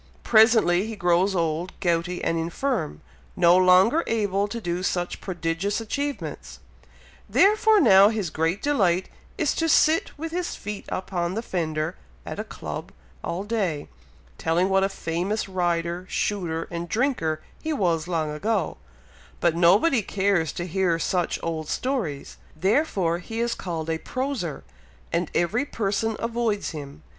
Presently he grows old, gouty, and infirm no longer able to do such prodigious achievements; therefore now his great delight is, to sit with his feet upon the fender, at a club all day, telling what a famous rider, shooter, and drinker, he was long ago; but nobody cares to hear such old stories; therefore he is called a 'proser,' and every person avoids him.